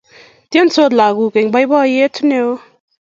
Tiendos lagok eng boiboiyet neo